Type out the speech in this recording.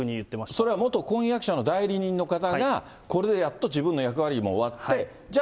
それは元婚約者の代理人の方が、これでやっと自分の役割も終わって、じゃあ